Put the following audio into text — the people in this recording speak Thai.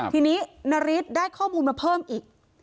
ทีนี้นาริสได้ข้อมูลมาเพิ่มอีก